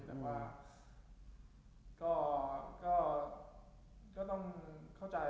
แต่ว่าก็ต้องเข้าใจ